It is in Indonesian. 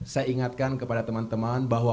saya ingatkan kepada teman teman bahwa